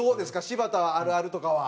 柴田はあるあるとかは。